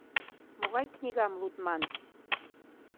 Могай книгам лудман?